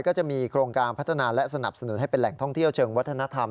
ก็จะมีโครงการพัฒนาและสนับสนุนให้เป็นแหล่งท่องเที่ยวเชิงวัฒนธรรม